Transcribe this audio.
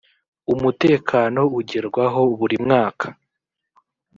umutekano ugerwaho burimwaka.